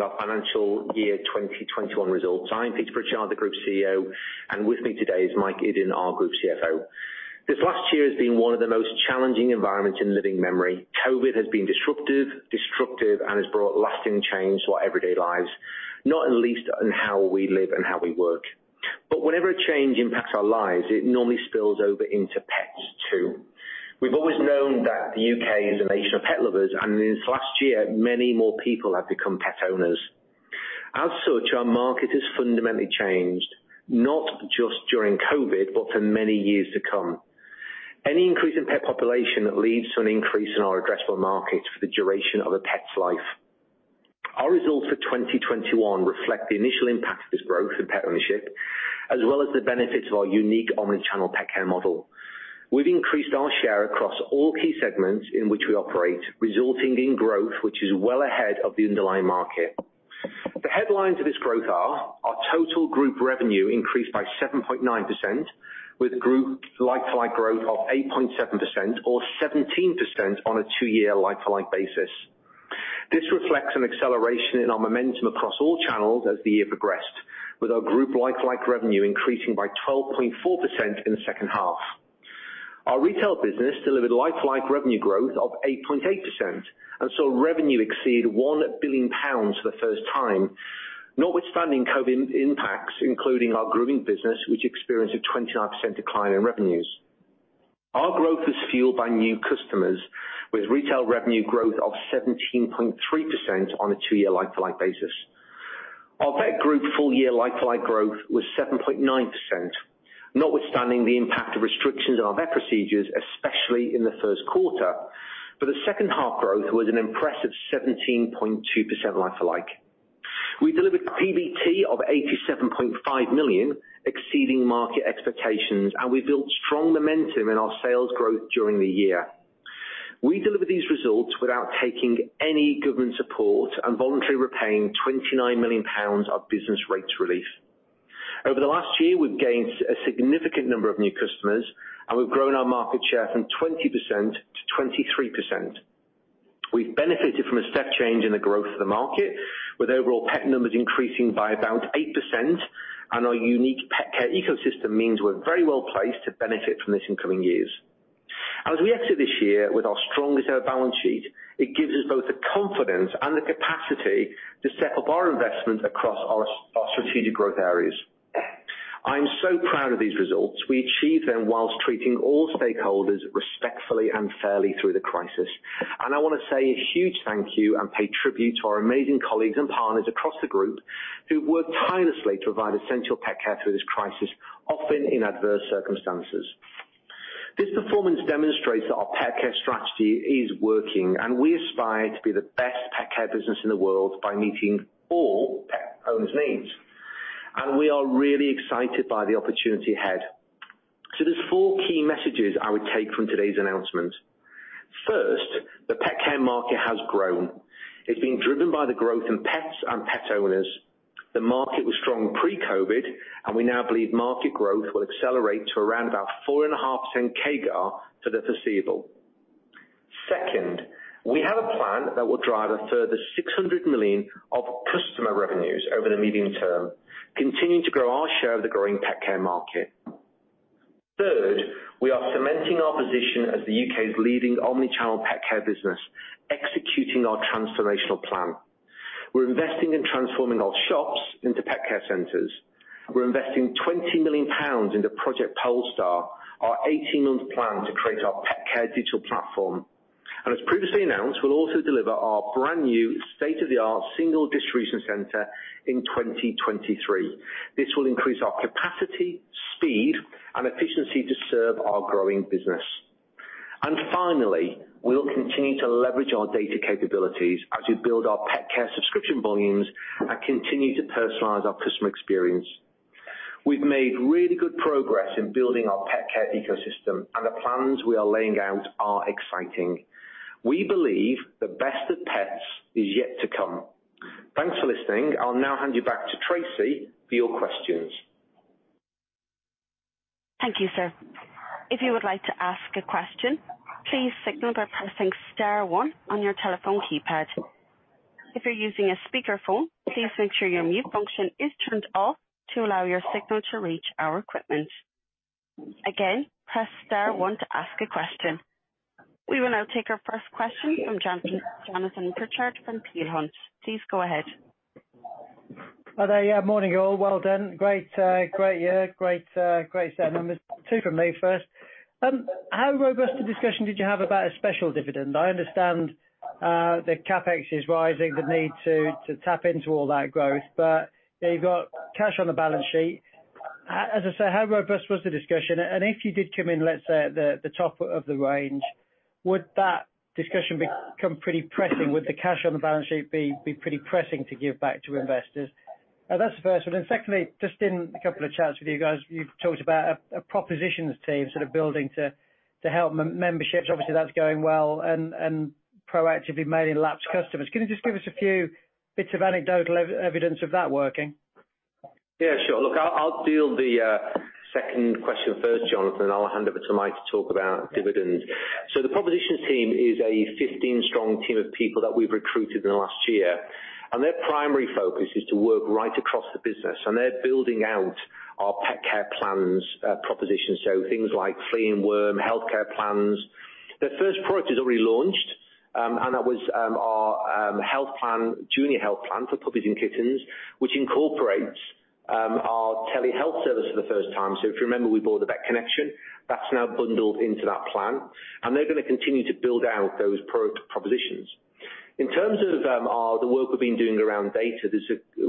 Our financial year 2021 results. I'm Peter Pritchard, the Group CEO, and with me today is Mike Iddon, our Group CFO. This last year has been one of the most challenging environments in living memory. COVID has been disruptive, destructive, and has brought lasting change to our everyday lives, not least in how we live and how we work. Wherever change impacts our lives, it normally spills over into pets too. We've always known that the U.K. is a nation of pet lovers, and in this last year, many more people have become pet owners. As such, our market has fundamentally changed, not just during COVID, but for many years to come. Any increase in pet population leads to an increase in our addressable markets for the duration of a pet's life. Our results for 2021 reflect the initial impact of this growth of pet ownership, as well as the benefits of our unique omni-channel pet care model. We've increased our share across all key segments in which we operate, resulting in growth, which is well ahead of the underlying market. The headlines of this growth are our total Group revenue increased by 7.9%, with Group like-for-like growth of 8.7% or 17% on a two-year like-for-like basis. This reflects an acceleration in our momentum across all channels as the year progressed, with our Group like-for-like revenue increasing by 12.4% in the second half. Our retail business delivered like-for-like revenue growth of 8.8%, and saw revenue exceed 1 billion pounds for the first time, notwithstanding COVID impacts, including our grooming business, which experienced a 29% decline in revenues. Our growth was fueled by new customers, with retail revenue growth of 17.3% on a two-year like-for-like basis. Our Vet Group full year like-for-like growth was 7.9%, notwithstanding the impact of restrictions on our vet procedures, especially in the first quarter. The second half growth was an impressive 17.2% like-for-like. We delivered PBT of 87.5 million, exceeding market expectations, and we built strong momentum in our sales growth during the year. We delivered these results without taking any government support and voluntarily repaying 29 million pounds of business rates relief. Over the last year, we've gained a significant number of new customers, and we've grown our market share from 20% to 23%. We've benefited from a step change in the growth of the market, with overall pet numbers increasing by about 8%. Our unique pet care ecosystem means we're very well placed to benefit from this in coming years. As we enter this year with our strongest ever balance sheet, it gives us both the confidence and the capacity to set up our investments across our strategic growth areas. I'm so proud of these results. We achieved them while treating all stakeholders respectfully and fairly through the crisis. I want to say a huge thank you and pay tribute to our amazing colleagues and partners across the group who worked tirelessly to provide essential pet care through this crisis, often in adverse circumstances. This performance demonstrates that our pet care strategy is working. We aspire to be the best pet care business in the world by meeting all pet owners' needs. We are really excited by the opportunity ahead. There's four key messages I would take from today's announcement. First, the pet care market has grown. It's being driven by the growth in pets and pet owners. The market was strong pre-COVID, and we now believe market growth will accelerate to around about 4.5% CAGR for the foreseeable. Second, we have a plan that will drive a further 600 million of customer revenues over the medium term, continue to grow our share of the growing pet care market. Third, we are cementing our position as the U.K.'s leading omni-channel pet care business, executing our transformational plan. We're investing in transforming our shops into pet care centres. We're investing 20 million pounds into Project Polestar, our 18-month plan to create our pet care digital platform. As previously announced, we'll also deliver our brand new state-of-the-art single distribution center in 2023. This will increase our capacity, speed, and efficiency to serve our growing business. Finally, we will continue to leverage our data capabilities as we build our pet care subscription volumes and continue to personalize our customer experience. We've made really good progress in building our pet care ecosystem, and the plans we are laying out are exciting. We believe the best of pets is yet to come. Thanks for listening. I'll now hand you back to Tracy for your questions. Thank you, sir. If you would like to ask a question, please signal by pressing star one on your telephone keypad. If you're using a speakerphone, please make sure your mute function is turned off to allow your signal to reach our equipment. Again, press star one to ask a question. We will now take our first question from Jonathan Pritchard from Peel Hunt. Please go ahead. Hi there. Morning, all. Well done. Great year. Great numbers. Two from me first. How robust a discussion did you have about a special dividend? I understand the CapEx is rising, the need to tap into all that growth. You've got cash on the balance sheet. As I say, how robust was the discussion? If you did come in, let's say, at the top of the range, would that discussion become pretty pressing? Would the cash on the balance sheet be pretty pressing to give back to investors? That's the first one. Secondly, just in a couple of chats with you guys, you've talked about a propositions team sort of building to help memberships. Obviously, that's going well and proactively mailing lapsed customers. Can you just give us a few bits of anecdotal evidence of that working? Sure. I'll deal with the second question first, Jonathan, I'll hand over to Mike to talk about dividends. The propositions team is a 15-strong team of people that we've recruited in the last year, and their primary focus is to work right across the business, and they're building out our pet care plans proposition. Things like flea and worm healthcare plans. Their first product is already launched, and that was our junior health plan for puppies and kittens, which incorporates our telehealth service for the first time. If you remember, we bought The Vet Connection, that's now bundled into that plan, and they're going to continue to build out those product propositions. In terms of the work we've been doing around data,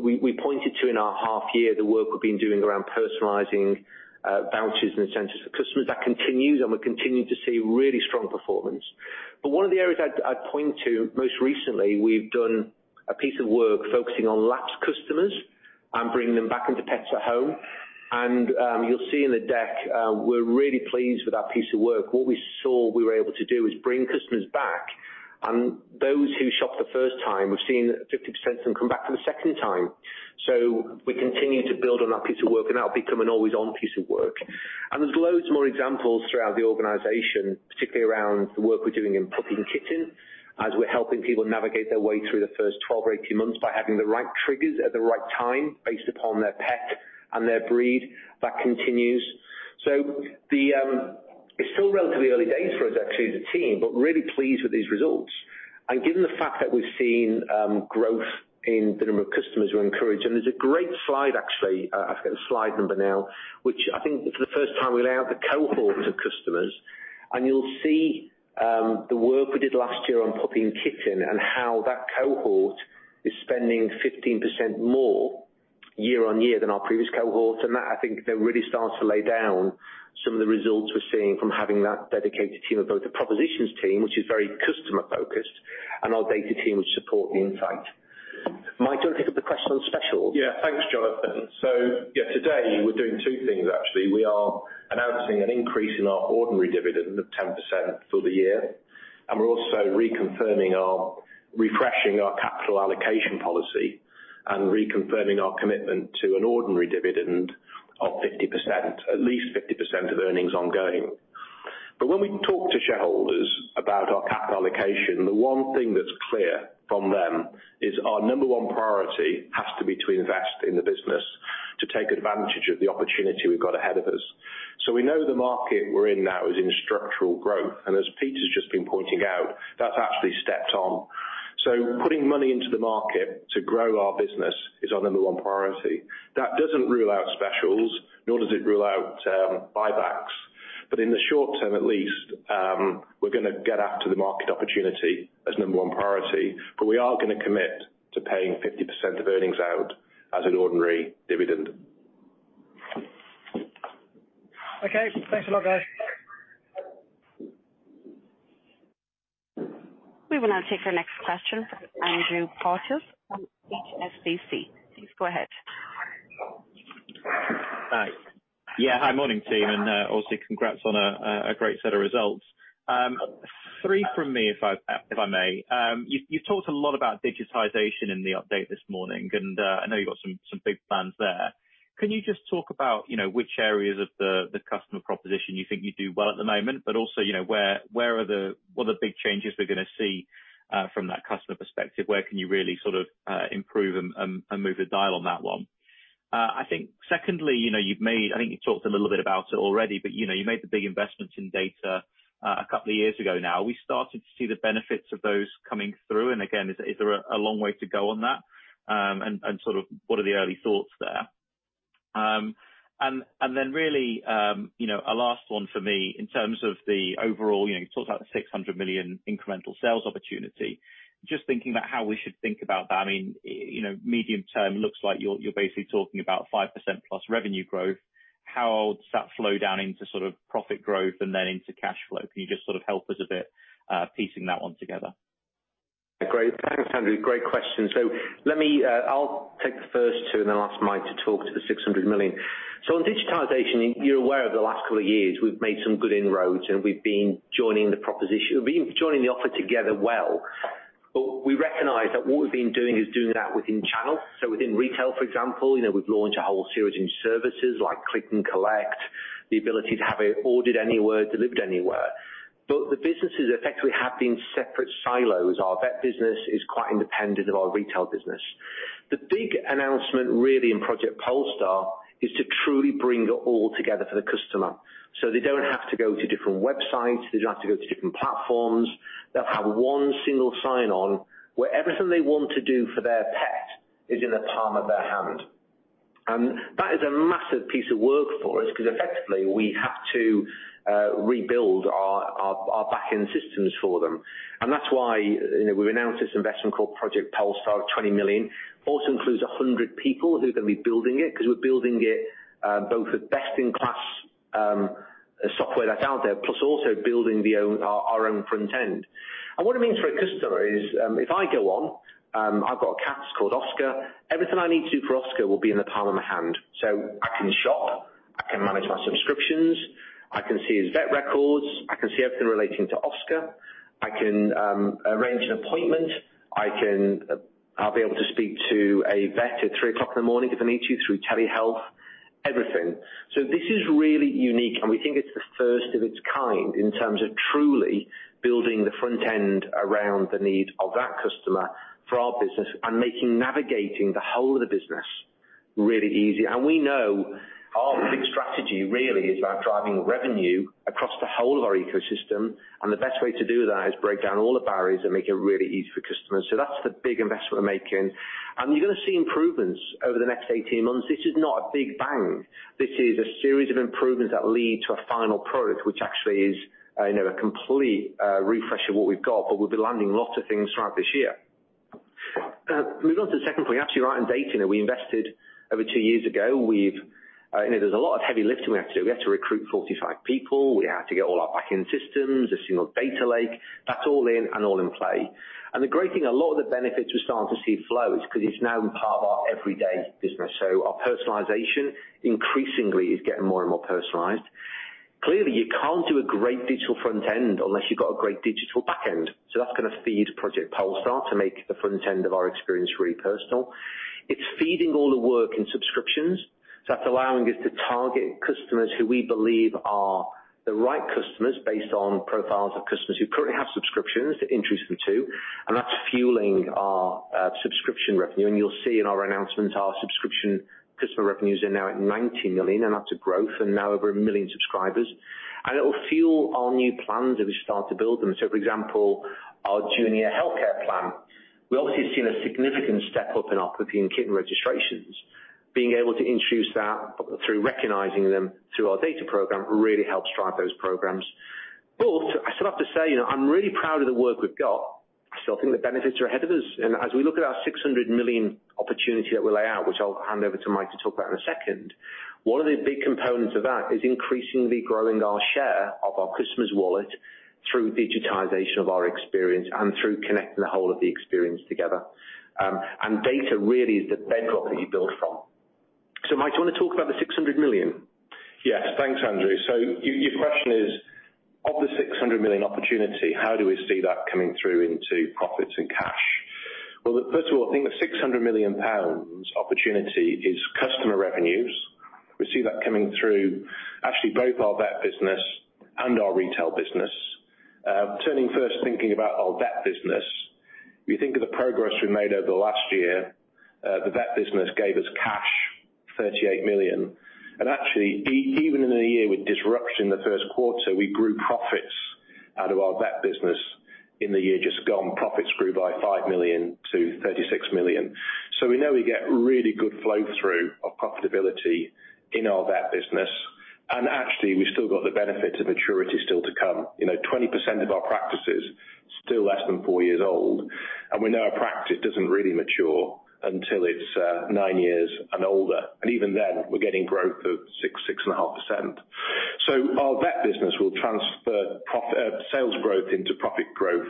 we pointed to in our half year the work we've been doing around personalizing vouchers and incentives for customers. That continues and we're continuing to see really strong performance. One of the areas I'd point to most recently, we've done a piece of work focusing on lapsed customers and bringing them back into Pets at Home. You'll see in the deck, we're really pleased with that piece of work. What we saw we were able to do is bring customers back. Those who shopped the first time, we've seen 50% of them come back the second time. We continue to build on that piece of work and that will become an always-on piece of work. There's loads more examples throughout the organization, particularly around the work we're doing in puppies and kittens, as we're helping people navigate their way through the first 12 or 18 months by having the right triggers at the right time based upon their pet and their breed. That continues. It's still relatively early days for us as a team, but really pleased with these results. Given the fact that we've seen growth in the number of customers we're encouraging. There's a great slide actually, I think it's slide number now, which I think for the first time we lay out the cohorts of customers. You'll see the work we did last year on puppy and kitten and how that cohort is spending 15% more year-on-year than our previous cohort. That, I think they're really starting to lay down some of the results we're seeing from having that dedicated team of both the propositions team, which is very customer focused, and our data team who support the insight. Mike, you'll take the question on specials. Yeah, thanks, Jonathan. Today we're doing two things actually. We are announcing an increase in our ordinary dividend of 10% for the year. We're also reconfirming, refreshing our capital allocation policy and reconfirming our commitment to an ordinary dividend of 50%, at least 50% of earnings ongoing. When we talk to shareholders about our capital allocation, the one thing that's clear from them is our number one priority has to be to invest in the business to take advantage of the opportunity we've got ahead of us. We know the market we're in now is in structural growth, and as Peter's just been pointing out, that's actually stepped on. Putting money into the market to grow our business is our number one priority. That doesn't rule out specials, nor does it rule out buybacks. In the short term at least, we're going to get after the market opportunity as number one priority. We are going to commit to paying 50% of earnings out as an ordinary dividend. Okay. Thanks a lot, guys. We will now take our next question, Andrew Porteous from HSBC. Please go ahead. Thanks. Yeah, hi, morning, team, and also congrats on a great set of results. Three from me, if I may. You've talked a lot about digitization in the update this morning, and I know you've got some big plans there. Can you just talk about which areas of the customer proposition you think you do well at the moment, but also what are the big changes we're going to see from that customer perspective? Where can you really sort of improve and move the dial on that one? I think secondly, I think you've talked a little bit about it already, but you made the big investments in data a couple of years ago now. We started to see the benefits of those coming through. Again, is there a long way to go on that? Sort of what are the early thoughts there? Really, a last one for me in terms of the overall, you talked about the 600 million incremental sales opportunity. Just thinking about how we should think about that, I mean, medium term looks like you're basically talking about 5%+ revenue growth. How does that flow down into sort of profit growth and then into cash flow? Can you just sort of help us a bit piecing that one together? Great. Thanks, Andrew. Great question. I'll take the first two and the last one Mike to talk to the 600 million. On digitization, you're aware over the last couple of years we've made some good inroads and we've been joining the proposition, we've been joining the offer together well. We recognize that what we've been doing is doing that within channels. Within retail, for example, we've launched our whole series in services like Click & Collect, the ability to have it ordered anywhere, delivered anywhere. The businesses effectively have been separate silos. Our Vet business is quite independent of our retail business. The big announcement really in Project Polestar is to truly bring it all together for the customer. They don't have to go to different websites, they don't have to go to different platforms. They'll have one single sign-on, where everything they want to do for their pet is in the palm of their hand. That is a massive piece of work for us because effectively we have to rebuild our back-end systems for them. That's why we announced this investment called Project Polestar of 20 million. It also includes 100 people who are going to be building it because we're building it both with best-in-class software that's out there, plus also building our own front-end. What it means for a customer is, if I go on, I've got a cat called Oscar. Everything I need to do for Oscar will be in the palm of my hand. I can shop, I can manage my subscriptions, I can see his vet records, I can see everything relating to Oscar. I can arrange an appointment. I'll be able to speak to a vet at 3:00 A.M. if I need to through telehealth, everything. This is really unique, and we think it's the first of its kind in terms of truly building the front end around the need of our customer for our business and making navigating the whole of the business really easy. We know our big strategy really is about driving revenue across the whole of our ecosystem, and the best way to do that is break down all the barriers and make it really easy for customers. That's the big investment we're making, and you're going to see improvements over the next 18 months. This is not a big bang. This is a series of improvements that lead to a final product, which actually is a complete refresh of what we've got. We'll be landing lots of things throughout this year. Moving on to the second point, actually around data, we invested over two years ago. There's a lot of heavy lifting we have to do. We have to recruit 45 people. We have to get all our back end systems, a single data lake. That's all in and all in play. The great thing, a lot of the benefits we're starting to see flow is because it's now part of our everyday business. Our personalization increasingly is getting more and more personalized. Clearly, you can't do a great digital front-end unless you've got a great digital back-end. That's going to feed Project Polestar to make the front-end of our experience really personal. It's feeding all the work in subscriptions. That's allowing us to target customers who we believe are the right customers based on profiles of customers who currently have subscriptions to introduce them to, that's fueling our subscription revenue. You'll see in our announcement, our subscription customer revenues are now at 90 million and that's a growth and now over 1 million subscribers. It'll fuel our new plans as we start to build them, for example, our Complete Care Junior Health Plan. We obviously have seen a significant step up in our puppy and kitten registrations. Being able to introduce that through recognizing them through our data program really helps drive those programs. I still have to say, I'm really proud of the work we've got. I think the benefits are ahead of us. As we look at our 600 million opportunity that we lay out, which I'll hand over to Mike to talk about in a second, one of the big components of that is increasingly growing our share of our customer's wallet through digitization of our experience and through connecting the whole of the experience together. Data really is the bedrock that you build from. Mike, do you want to talk about the 600 million? Yes, thanks, Andrew. Your question is, of the 600 million opportunity, how do we see that coming through into profits and cash? Well, first of all, I think the 600 million pounds opportunity is customer revenues. We see that coming through actually both our Vet business and our retail business. Turning first thinking about our Vet business. You think of the progress we made over the last year, the Vet business gave us cash, 38 million. Actually, even in a year with disruption in the first quarter, we grew profits out of our Vet business in the year just gone. Profits grew by 5 million to 36 million. We know we get really good flow-through of profitability in our Vet business, and actually, we still got the benefit of maturity still to come. 20% of our practices still less than four years old. We know a practice doesn't really mature until it's nine years and older. Even then, we're getting growth of 6%, 6.5%. Our Vet business will transfer sales growth into profit growth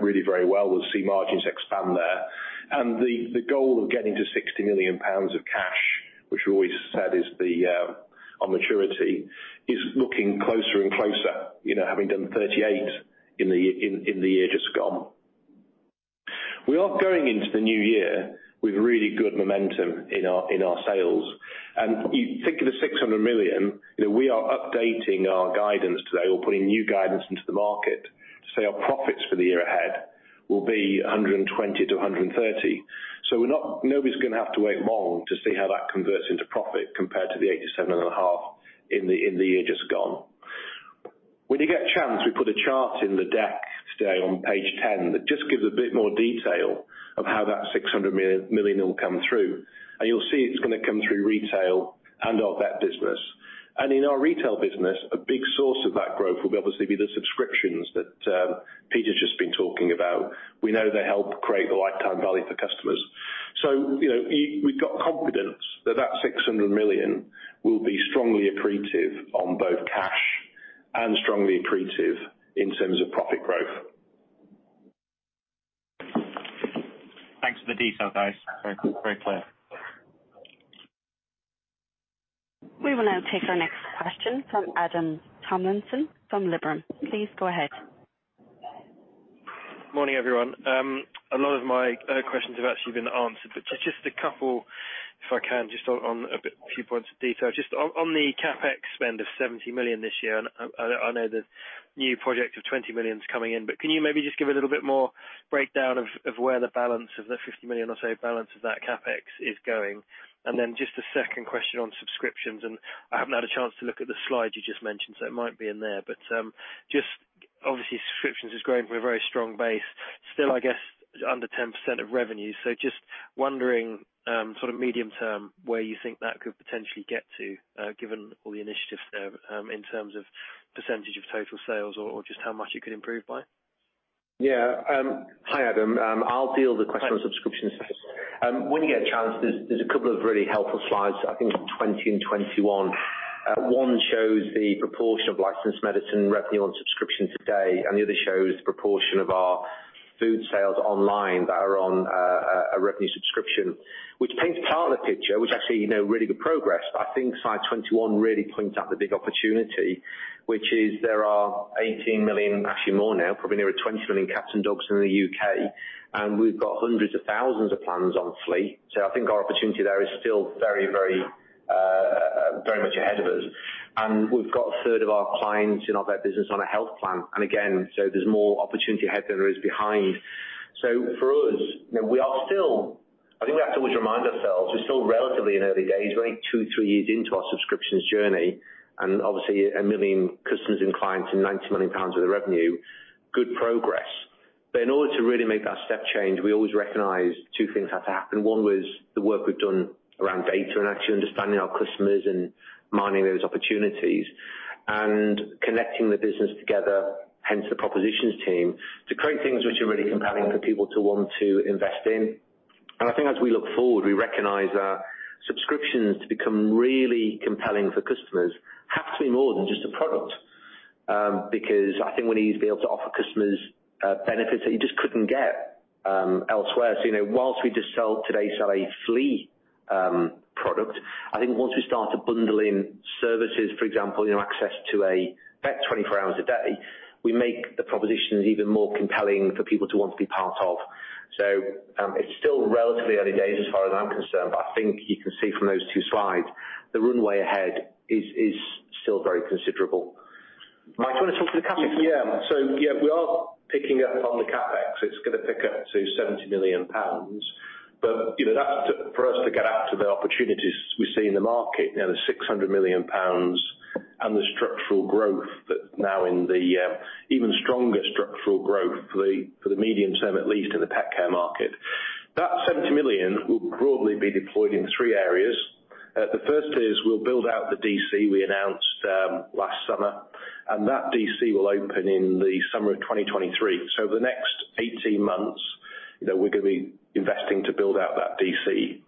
really very well. We'll see margins expand there. The goal of getting to 60 million pounds of cash, which we always said is our maturity, is looking closer and closer, having done 38 million in the year just gone. We are going into the new year with really good momentum in our sales. Thinking of the 600 million, we are updating our guidance today. We're putting new guidance into the market to say our profits for the year ahead will be 120 million-130 million. Nobody's going to have to wait long to see how that converts into profit compared to the 87.5 million in the year just gone. When you get a chance, we put a chart in the deck today on page 10 that just gives a bit more detail of how that 600 million will come through. You'll see it's going to come through retail and our Vet business. In our retail business, a big source of that growth will obviously be the subscriptions that Peter's just been talking about. We know they help create the lifetime value for customers. We've got confidence that 600 million will be strongly accretive on both cash and strongly accretive in terms of profit growth. Thanks for the detail, guys. Very clear. We will now take our next question from Adam Tomlinson from Liberum. Please go ahead. Morning, everyone. A lot of my questions have actually been answered, just a couple if I can just on a few points of detail. Just on the CapEx spend of 70 million this year, I know the new project of 20 million is coming in. Can you maybe just give a little bit more breakdown of where the balance of the 50 million or so balance of that CapEx is going? Just a second question on subscriptions. I haven't had a chance to look at the slide you just mentioned, so it might be in there. Just obviously subscriptions is growing from a very strong base, still I guess under 10% of revenue. Just wondering sort of medium term where you think that could potentially get to given all the initiatives there in terms of percentage of total sales or just how much it can improve by? Hi, Adam. I'll deal the question on subscriptions. When you get a chance, there's a couple of really helpful slides I think on 20 and 21. One shows the proportion of licensed medicine revenue on subscription today, and the other shows the proportion of our food sales online that are on a revenue subscription, which paints part of the picture, which is actually really good progress. I think slide 21 really points out the big opportunity, which is there are 18 million, actually more now, probably near 20 million cats and dogs in the U.K., and we've got hundreds of thousands of plans on flea. I think our opportunity there is still very much ahead of us. We've got a third of our clients in our Vet business on a health plan, and again, there's more opportunity ahead than there is behind. For us, I think we have to always remind ourselves we're still relatively in early days. We're only two, three years into our subscriptions journey, and obviously 1 million customers and clients and 90 million pounds of revenue, good progress. In order to really make that step change, we always recognize two things have to happen. One was the work we've done around data and actually understanding our customers and mining those opportunities and connecting the business together, hence the propositions team, to create things which are really compelling for people to want to invest in. I think as we look forward, we recognize that subscriptions become really compelling for customers, has to be more than just a product. I think we need to be able to offer customers benefits they just couldn't get elsewhere. Whilst we just sell today to a flea product, I think once we start to bundle in services, for example, access to a vet 24 hours a day, we make the propositions even more compelling for people to want to be part of. It's still relatively early days as far as I'm concerned, but I think you can see from those two slides the runway ahead is still very considerable. Mike, do you want to talk through CapEx? Yeah, we are picking up on the CapEx. It's going to pick up to 70 million pounds, but for us to get after the opportunities we see in the market near the 600 million pounds and the structural growth that now in the even stronger structural growth for the medium term, at least in the pet care market. That 70 million will broadly be deployed in three areas. The first is we'll build out the DC we announced last summer, and that DC will open in the summer of 2023. The next 18 months, we're going to be investing to build out that DC.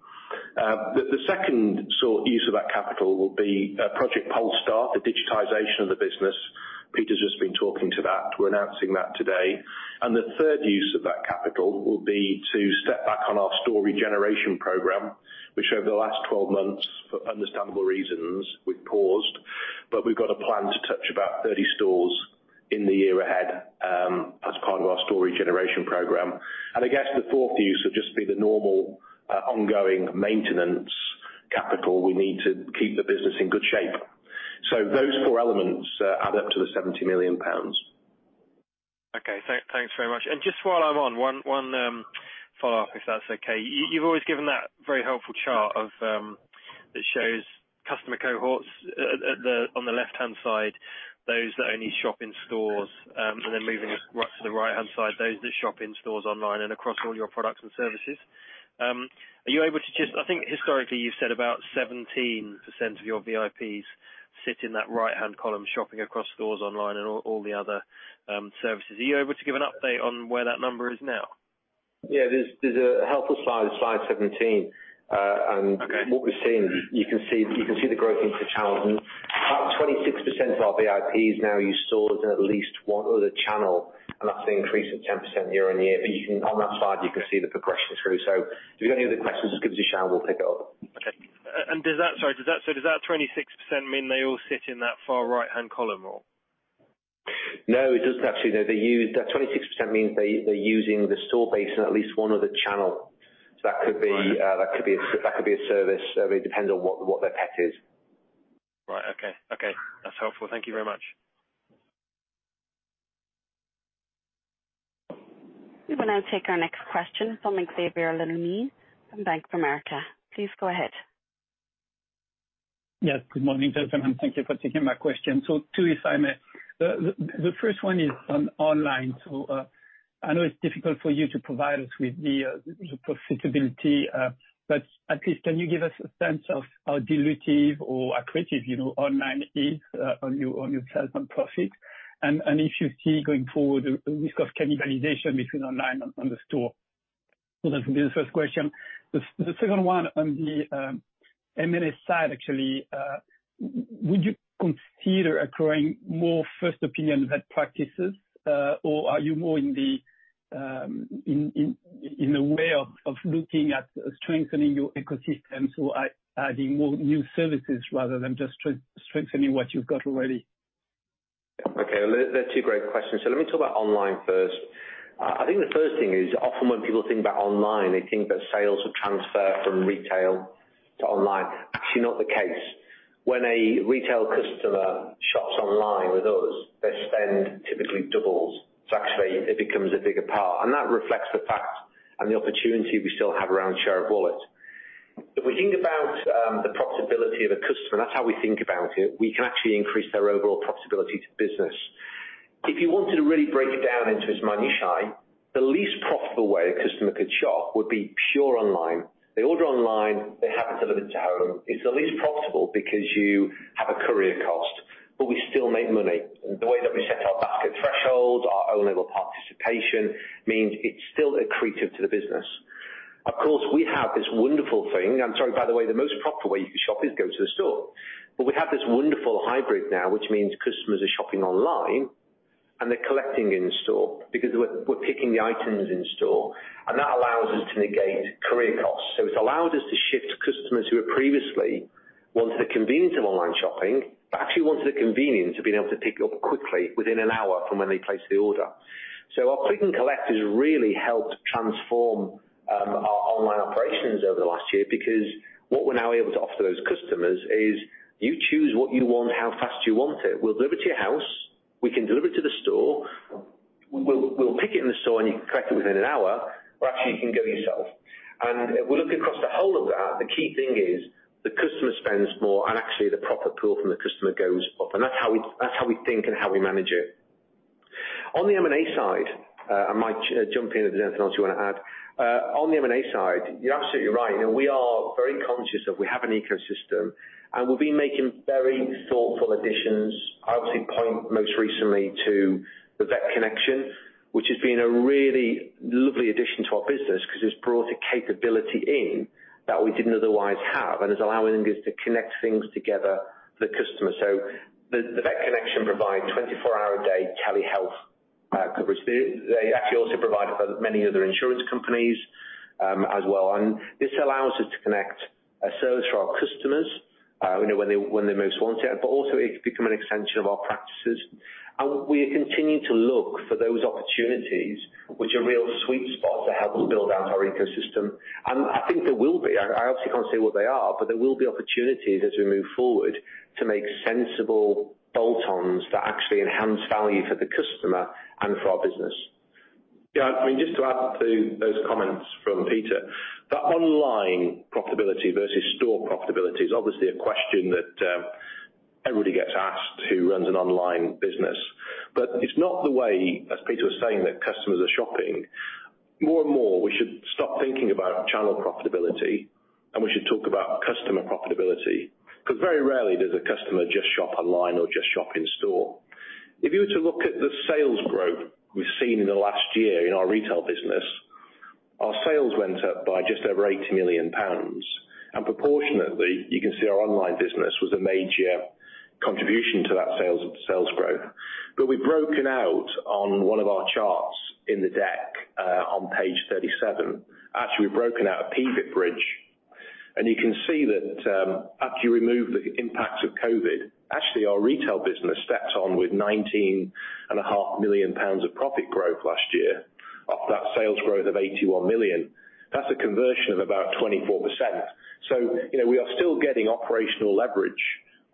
The second use of that capital will be Project Polestar, the digitization of the business. Peter's just been talking to that. We're announcing that today. The third use of that capital will be to step up on our store regeneration program, which over the last 12 months, for understandable reasons, we've paused. We've got a plan to touch about 30 stores in the year ahead, as part of our store regeneration program. I guess the fourth use would just be the normal ongoing maintenance capital we need to keep the business in good shape. Those four elements add up to the 70 million pounds. Okay, thanks very much. Just while I'm on, one follow-up, if that's okay. You've always given that very helpful chart that shows customer cohorts on the left-hand side, those that only shop in stores, and then moving to the right-hand side, those that shop in stores, online, and across all your products and services. I think historically, you said about 17% of your VIPs sit in that right-hand column shopping across stores, online, and all the other services. Are you able to give an update on where that number is now? Yeah, there's a helpful slide 17. What we've seen, you can see the growth in the channels. About 26% of our VIPs now use stores and at least one other channel, and that's an increase of 10% year-on-year. On that slide, you can see the progression through. As long as the questions gives you channel pick up. Okay. Does that 26% mean they all sit in that far right-hand column? No, it doesn't actually. No, that 26% means they're using the store base and at least one other channel. That could be a service, so it would depend on what their pet is. Right. Okay. That's helpful. Thank you very much. We'll now take our next question from Xavier Le Mené from Bank of America. Please go ahead. Yeah, good morning, everyone. Thank you for taking my question. Two if I may. The first one is on online. I know it's difficult for you to provide us with the profitability, but at least can you give us a sense of how dilutive or accretive online is on your sales and profit? If you see going forward a risk of cannibalization between online and the store? That's going to be the first question. The second one on the M&A side, actually, would you consider acquiring more first opinion vet practices? Are you more in the way of looking at strengthening your ecosystem to adding more new services rather than just strengthening what you've got already? Okay, they're two great questions. Let me talk about online first. I think the first thing is often when people think about online, they think that sales will transfer from retail to online. Actually not the case. When a retail customer shops online with us, their spend typically doubles. Actually, it becomes a bigger part, and that reflects the fact and the opportunity we still have around share of wallet. If we think about the profitability of a customer, that's how we think about it. We can actually increase their overall profitability to business. If you wanted to really break it down into its minutiae, the least profitable way a customer could shop would be pure online. They order online, they have it delivered to home. It's the least profitable because you have a courier cost, but we still make money. The way that we set our basket threshold, our own level of participation means it’s still accretive to the business. Of course, we have this wonderful thing, sorry, by the way, the most proper way to shop is go to the store. We have this wonderful hybrid now, which means customers are shopping online and they’re collecting in-store because we’re picking the items in-store, and that allows us to negate courier costs. It’s allowed us to shift to customers who had previously wanted the convenience of online shopping, but actually wanted the convenience of being able to pick up quickly within an hour from when they placed the order. Our Click & Collect has really helped transform our online operations over the last year, because what we’re now able to offer those customers is you choose what you want and how fast you want it. We'll deliver to your house. We can deliver to the store. We'll pick it in the store and you collect it within an hour, or actually you can go yourself. Looking across the whole of that, the key thing is the customer spends more and actually the profit pool from the customer goes up. That's how we think and how we manage it. On the M&A side, Mike jump in with anything else you want to add. On the M&A side, you're absolutely right. We are very conscious that we have an ecosystem, and we'll be making very thoughtful additions, obviously, most recently to The Vet Connection, which has been a really lovely addition to our business because it's brought a capability in that we didn't otherwise have and is allowing us to connect things together for the customer. The Vet Connection provides 24-hour-a-day telehealth coverage. They actually also provide for many other insurance companies as well. This allows us to connect a service for our customers when they most want it, but also it can become an extension of our practices. We continue to look for those opportunities which are real sweet spots that help us build out our ecosystem. I think there will be, I obviously can't say what they are, but there will be opportunities as we move forward to make sensible bolt-ons that actually enhance value for the customer and for our business. Yeah, just to add to those comments from Peter, the online profitability versus store profitability is obviously a question that everybody gets asked who runs an online business. It's not the way, as Peter was saying, that customers are shopping. More and more, we should stop thinking about channel profitability, and we should talk about customer profitability, because very rarely does a customer just shop online or just shop in-store. If you were to look at the sales growth we've seen in the last year in our retail business, our sales went up by just over 80 million pounds. Proportionately, you can see our online business was a major contribution to that sales growth. We've broken out on one of our charts in the deck on page 37. Actually, we've broken out P&L bridge, and you can see that after you remove the impact of COVID, actually our retail business stacked on with 19.5 million pounds of profit growth last year off that sales growth of 81 million. That's a conversion of about 24%. We are still getting operational leverage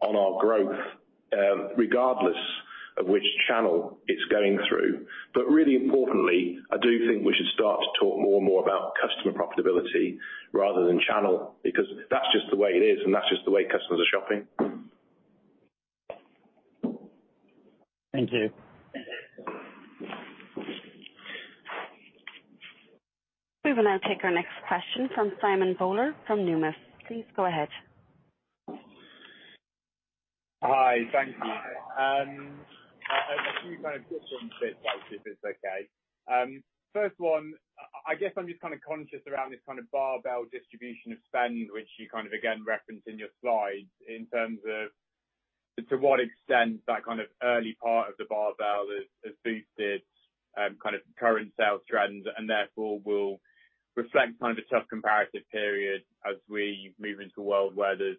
on our growth regardless of which channel it's going through. Really importantly, I do think we should start to talk more and more about customer profitability rather than channel, because that's just the way it is, and that's just the way customers are shopping. Thank you. We will now take our next question from Simon Bowler from Numis. Please go ahead. Hi. Thank you. A few quick ones if that's okay. First one, I guess I'm just conscious around this barbell distribution of spend, which you again reference in your slides in terms of to what extent that early part of the barbell has boosted current sales trends and therefore will reflect tough comparative periods as we move into a world where there's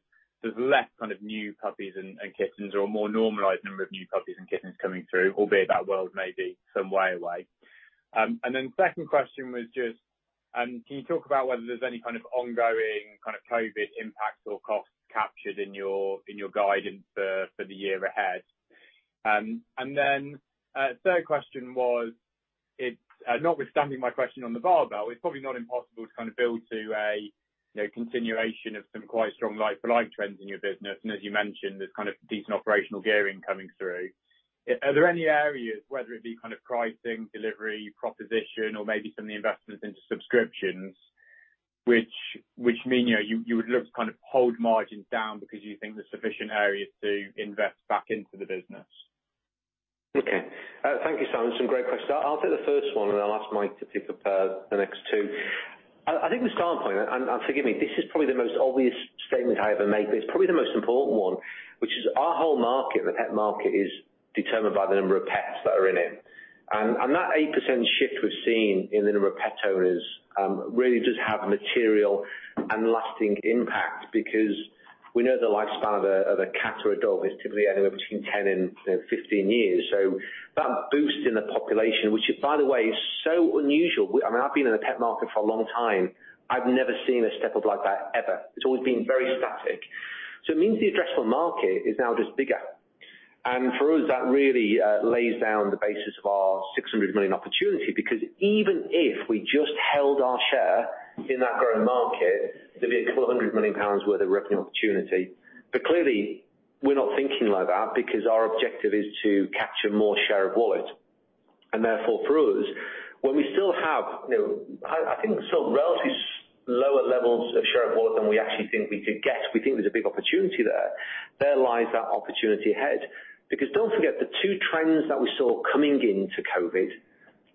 less new puppies and kittens or a more normalized number of new puppies and kittens coming through, albeit that world may be some way away. Second question was just, can you talk about whether there's any ongoing COVID impact or cost captured in your guidance for the year ahead? Third question was, notwithstanding my question on the barbell, it's probably not impossible to build to a continuation of some quite strong like-for-like trends in your business, and as you mentioned, there's decent operational gearing coming through. Are there any areas, whether it be pricing, delivery, proposition or maybe some of the investments into subscriptions, which mean you would look to hold margins down because you think there's sufficient areas to invest back into the business? Okay. Thank you, Simon. Some great questions. I'll do the first one, and I'll ask Mike to pick up the next two. I think we start on point, and forgive me, this is probably the most obvious statement I've ever made, but it's probably the most important one, which is our whole market, the pet market, is determined by the number of pets that are in it. That 8% shift we've seen in the number of pet owners really does have material and lasting impact because we know the lifestyle of a cat or a dog is typically anywhere between 10 and 15 years. That boost in the population, which by the way, is so unusual. I've been in the pet market for a long time. I've never seen a step-up like that, ever. It's always been very static. It means the addressable market is now just bigger. For us, that really lays down the basis of our 600 million opportunity, because even if we just held our share in that growing market, there'd be a 400 million pounds worth of revenue opportunity. Clearly, we're not thinking like that because our objective is to capture more share of wallet. Therefore, for us, when we still have, I think relatively lower levels of share of wallet than we actually think we could get, we think there's a big opportunity there. There lies that opportunity ahead. Don't forget, the two trends that we saw coming into COVID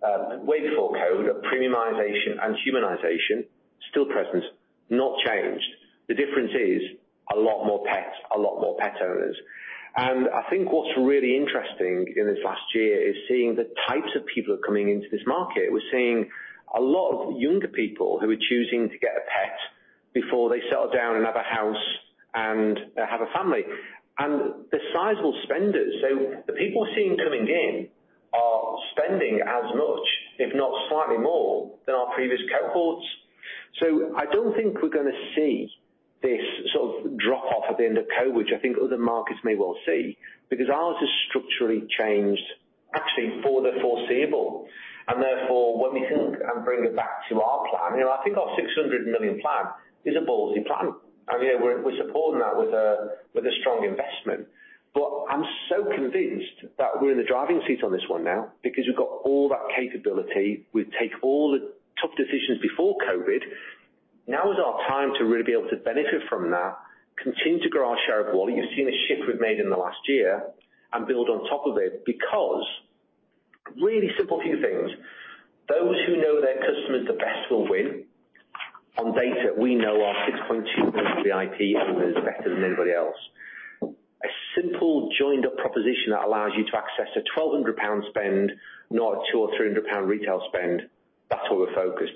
Way before COVID, premiumization and humanization still present, not changed. The difference is a lot more pets, a lot more pet owners. I think what's really interesting in this last year is seeing the types of people coming into this market. We're seeing a lot of younger people who are choosing to get a pet before they settle down and have a house and have a family, and they're sizable spenders. The people we're seeing going in are spending as much, if not slightly more, than our previous cohorts. I don't think we're going to see this sort of drop-off at the end of COVID, which I think other markets may well see, because ours is structurally changed, actually for the foreseeable, and therefore, when we think and bring it back to our plan, I think our 600 million plan is a ballsy plan, and we're supporting that with a strong investment. I'm so convinced that we're in the driving seat on this one now because we've got all that capability. We've taken all the tough decisions before COVID. Now is our time to really be able to benefit from that, continue to grow our share of wallet. You've seen the shift we've made in the last year and build on top of it because really simple few things. Those who know their customers the best will win. On data we know our 6.2 million VIP members better than anybody else. A simple joined-up proposition that allows you to access a 1,200 pound spend, not a 200 or 300 pound retail spend. That's what we're focused.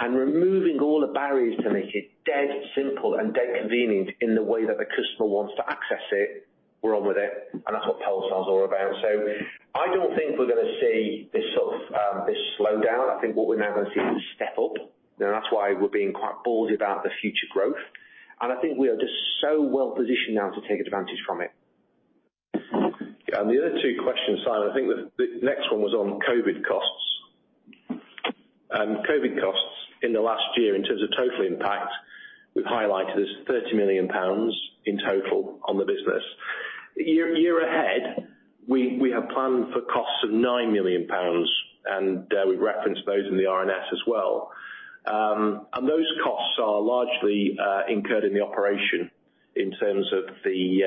Removing all the barriers to make it dead simple and dead convenient in the way that the customer wants to access it, we're on with it, and that's what Polestar is all about. I don't think we're going to see this sort of slowdown. I think what we're now going to see is a step up and that's why we're being quite bold about the future growth. I think we are just so well positioned now to take advantage from it. The other two questions, Simon, I think the next one was on COVID costs. COVID costs in the last year in terms of total impact we've highlighted is 30 million pounds in total on the business. Year ahead, we have planned for costs of 9 million pounds and we reference those in the RNS as well. Those costs are largely incurred in the operation in terms of the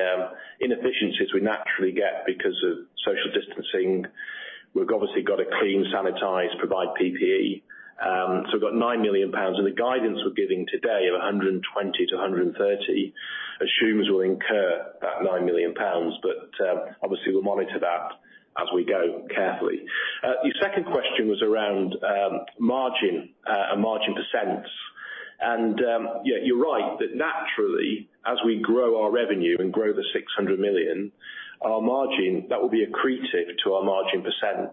inefficiencies we naturally get because of social distancing. We've obviously got to clean, sanitize, provide PPE. We've got 9 million pounds and the guidance we're giving today of 120 million-130 million assumes we'll incur that 9 million pounds but obviously we'll monitor that as we go carefully. Your second question was around margin percent. You're right that naturally as we grow our revenue and grow the 600 million, our margin that will be accretive to our margin percent.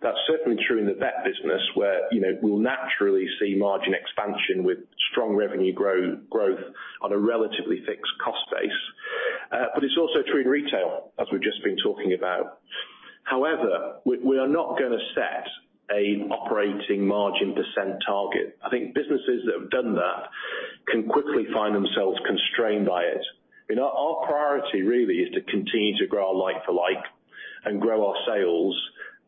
That's certainly true in the Vet business where we'll naturally see margin expansion with strong revenue growth on a relatively fixed cost base. It's also true in retail as we've just been talking about. However, we are not going to set an operating margin percent target. I think businesses that have done that can quickly find themselves constrained by it. Our priority really is to continue to grow our like-for-like and grow our sales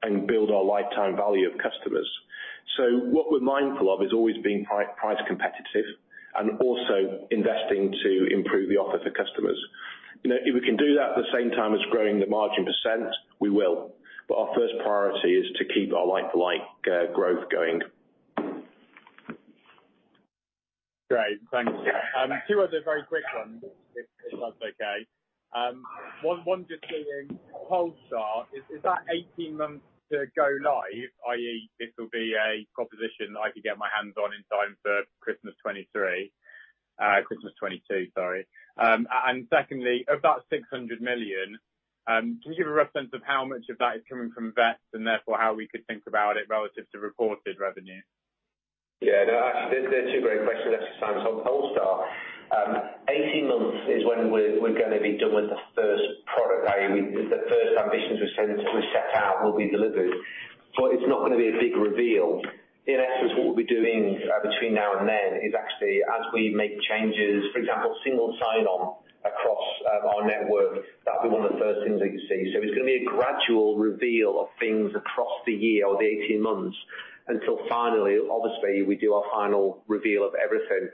and build our lifetime value of customers. What we're mindful of is always being price competitive and also investing to improve the offer to customers. If we can do that at the same time as growing the margin percent, we will. Our first priority is to keep our like-for-like growth going. Great, thanks. Two other very quick ones, if that's okay. One just on Polestar start. Is that 18 months to go live? I.e., this will be a proposition that I can get my hands on in time for Christmas 2023, Christmas 2022, sorry. Secondly, of that 600 million, can you give a rough sense of how much of that is coming from vets and therefore how we could think about it relative to reported revenue? Yeah, they're two great questions there, Simon. On Polestar start, 18 months is when we're going to be done with the first product, i.e., the first ambitions we set out will be delivered. It's not going to be a big reveal. In essence, what we'll be doing between now and then is actually as we make changes, for example, single sign-on across our network, that'll be one of the first things that you see. It's going to be a gradual reveal of things across the year or the 18 months until finally, obviously, we do our final reveal of everything.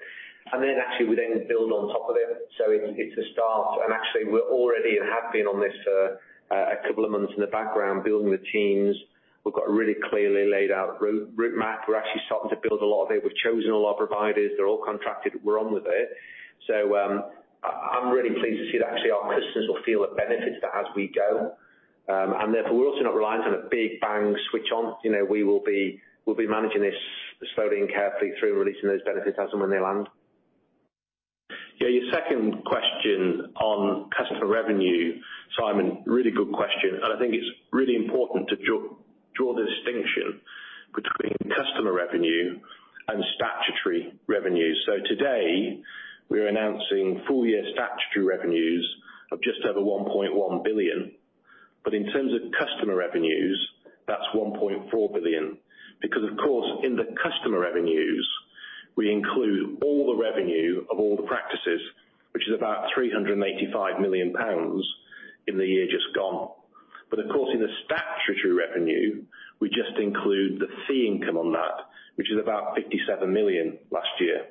Actually we then build on top of it. It's a start and actually we're already and have been on this for a couple of months in the background building the teams. We've got a really clearly laid out roadmap. We're actually starting to build a lot of it. We've chosen all our providers. They're all contracted. We're on with it. I'm really pleased to see that actually our businesses will feel the benefits of that as we go. Therefore we're also not reliant on a big bang switch on. We'll be managing this slowly and carefully through releasing those benefits as and when they land. Your second question on customer revenue, Simon, really good question. I think it's really important to draw the distinction between customer revenue and statutory revenue. Today we're announcing full year statutory revenues of just over 1.1 billion. In terms of customer revenues, that's 1.4 billion because of course in the customer revenues we include all the revenue of all the practices which is about 385 million pounds in the year just gone. Of course in the statutory revenue we just include the fee income on that which is about 57 million last year.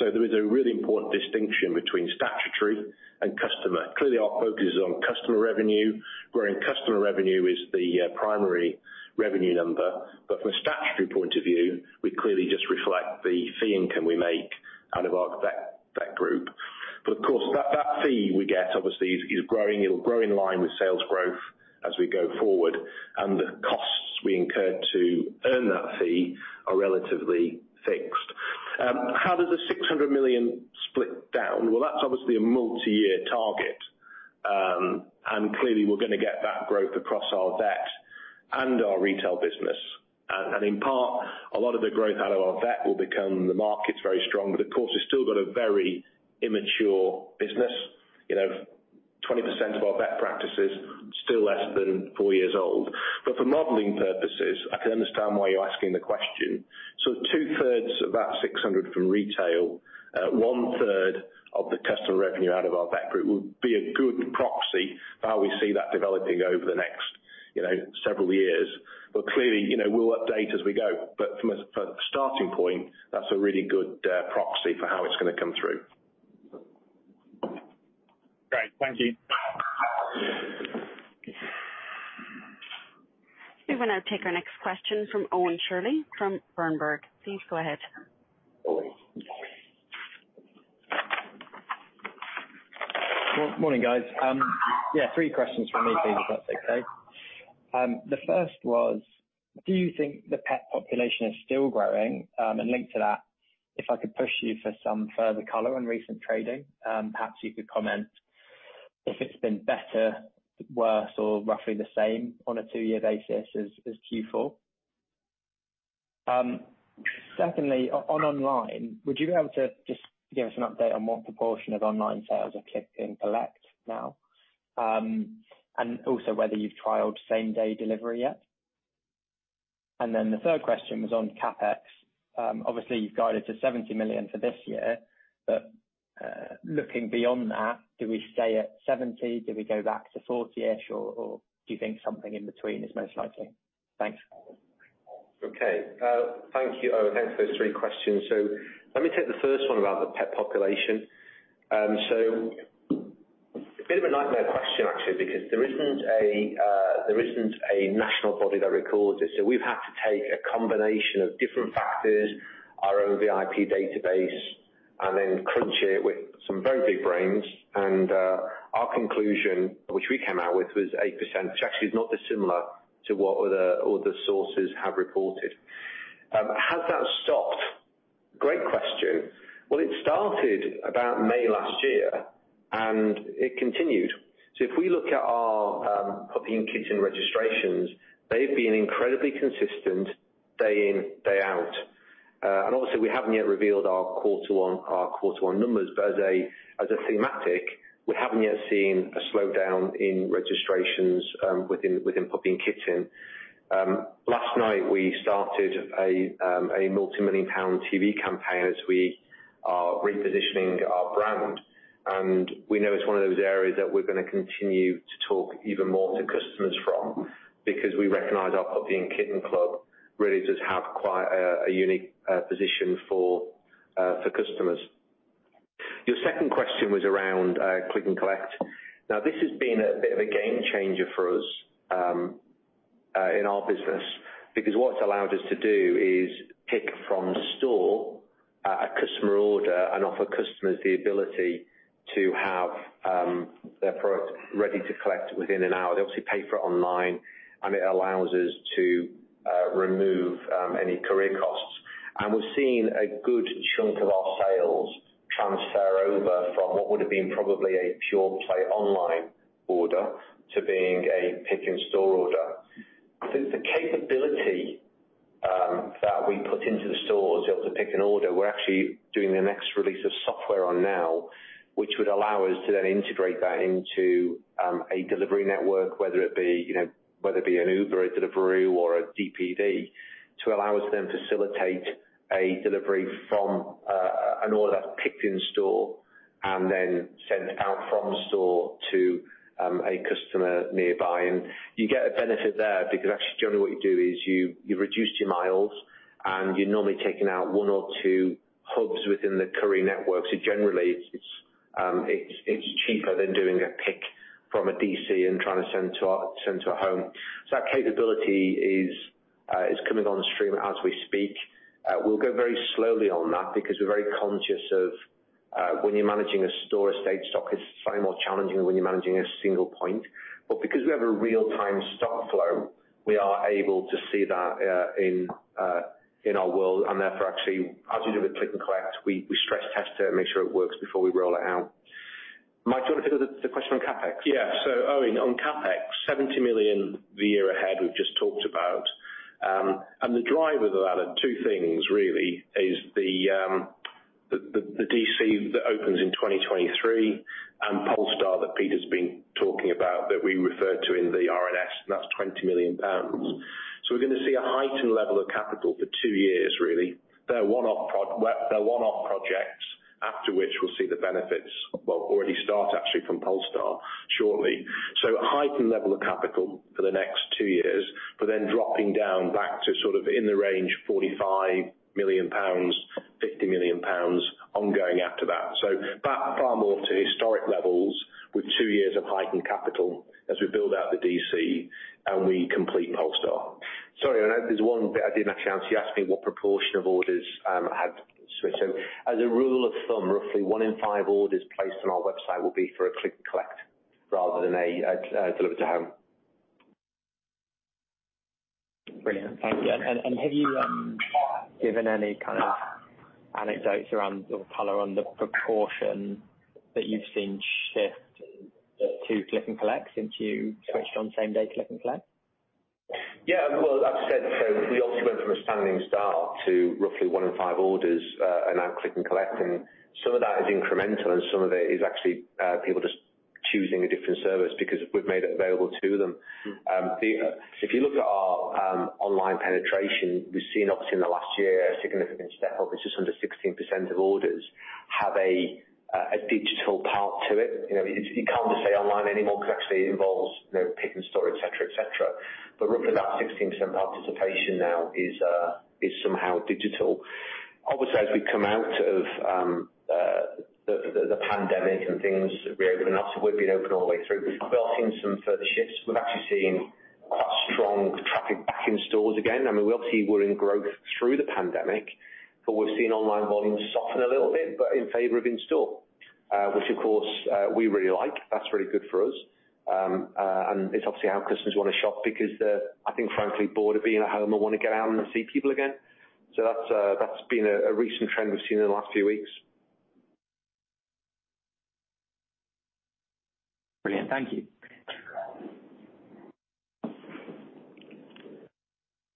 There is a really important distinction between statutory and customer. Clearly, our focus is on customer revenue, wherein customer revenue is the primary revenue number. From a statutory point of view, we clearly just reflect the fee income we make out of our Vet Group. Of course, that fee we get obviously is growing in line with sales growth as we go forward, and the costs we incur to earn that fee are relatively fixed. How does the 600 million split down? That's obviously a multi-year target, and clearly we're going to get that growth across our Vet and our retail business. In part, a lot of the growth out of our Vet will become the market's very strong. We've still got a very immature business. 20% of our vet practices are still less than four years old. For modeling purposes, I can understand why you're asking the question. Two-thirds of that 600 from retail, 1/3 of the customer revenue out of our Vet Group, would be a good proxy for how we see that developing over the next several years. Clearly, we'll update as we go. From a starting point, that's a really good proxy for how it's going to come through. Great. Thank you. We will now take our next question from Owen Shirley from Berenberg. Please go ahead. Morning, guys. Yeah, three questions from me, please, if that's okay. The first was, do you think the pet population is still growing? Linked to that, if I could push you for some further color on recent trading, perhaps you could comment if it's been better, worse, or roughly the same on a two-year basis as Q4. Secondly, on online, would you be able to just give us an update on what proportion of online sales are Click & Collect now? Also whether you've trialed same-day delivery yet. The third question was on CapEx. Obviously, you've guided to 70 million for this year, looking beyond that, do we stay at 70 million, do we go back to 40-ish million, or do you think something in between is most likely? Thanks. Thank you, Owen, for those three questions. Let me take the first one about the pet population. It's a bit of a nightmare question actually because there isn't a national body that records it. We've had to take a combination of different factors, our own VIP database, and then crunch it with some very big brains, and our conclusion which we came out with was 8%, which actually is not dissimilar to what other sources have reported. Has that stopped? Great question. Well, it started about May last year, and it continued. If we look at our puppy and kitten registrations, they've been incredibly consistent day-in, day-out. Also we haven't yet revealed our quarter one numbers, but as a thematic, we haven't yet seen a slowdown in registrations within puppy and kitten. Last night we started a multimillion-pound TV campaign as we are repositioning our brand. We know it's one of those areas that we're going to continue to talk even more to customers from because we recognize our Puppy and Kitten Club really does have quite a unique position for customers. Your second question was around Click & Collect. This has been a bit of a game changer for us in our business because what it's allowed us to do is pick from the store a customer order and offer customers the ability to have their product ready to collect within an hour. They obviously pay for it online. It allows us to remove any courier costs. We've seen a good chunk of our sales transfer over from what would've been probably a pure-play online order to being a pick in store order. The capability that we put into the stores to be able to pick an order, we're actually doing the next release of software on now, which would allow us to then integrate that into a delivery network, whether it be an Uber, a Deliveroo, or a DPD, to allow us to then facilitate a delivery from an order picked in store and then sent out from the store to a customer nearby. You get a benefit there because actually, generally what you do is you reduce your miles, and you're normally taking out one or two hubs within the courier network. Generally, it's cheaper than doing a pick from a DC and trying to send to a home. That capability is coming on stream as we speak. We'll go very slowly on that because we're very conscious of when you're managing a store estate stock, it's so more challenging than when you're managing a single point. Because we have a real-time stock flow, we are able to see that in our world. Therefore actually, as we do the Click & Collect, we stress test it and make sure it works before we roll it out. Mike, do you want to take the question on CapEx? Yeah. Owen, on CapEx, 70 million the year ahead we've just talked about. The driver of that are two things really is the DC that opens in 2023 and Polestar that Peter's been talking about, that we referred to in the RNS, and that's 20 million pounds. We're going to see a heightened level of capital for two years really. They're one-off projects after which we'll see the benefits, well, already start actually from Polestar shortly. A heightened level of capital for the next two years, dropping down back to sort of within the range 45 million pounds, 50 million pounds ongoing after that. Back far more to historic levels with two years of hiking capital as we build out the DC and we complete Polestar. Sorry, I know there's one bit I didn't answer. You asked me what proportion of orders have switched. As a rule of thumb, roughly one in five orders placed on our website will be for a Click & Collect rather than a delivery to home. Brilliant. Thank you. Have you given any kind of anecdotes around or color on the proportion that you've seen shift to Click & Collect since you switched on same-day Click & Collect? Well, as I said, we obviously went from a standing start to roughly one in five orders are now Click & Collect, and some of that is incremental, and some of it is actually people just choosing a different service because we've made it available to them. If you look at our online penetration, we've seen obviously in the last year, a significant step up, just under 15% of orders have a digital part to it. You can't just say online anymore because it actually involves pick-in-store, et cetera. Roughly that 15% participation now is somehow digital. Obviously, as we come out of the pandemic and things, we open up, so we've been open all the way through. We are seeing some further shifts. We're actually seeing strong traffic back in stores again. Obviously we're in growth through the pandemic, but we've seen online volumes soften a little bit, but in favor of in-store, which of course, we really like. That's very good for us. It's obviously our customers want to shop because they're, I think, frankly, bored of being at home and want to get out and see people again. That's been a recent trend we've seen in the last few weeks. Brilliant. Thank you.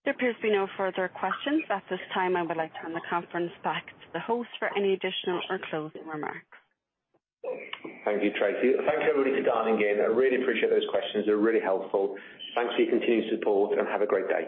There appears to be no further questions at this time. I would like to turn the conference back to the host for any additional or closing remarks. Thank you, Tracy. Thank you, everybody, for dialing in. I really appreciate those questions. They're really helpful. Thanks for your continued support, and have a great day.